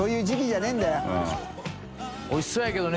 おいしそうやけどね